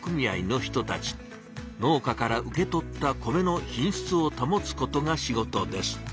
農家から受け取った米の品しつをたもつことが仕事です。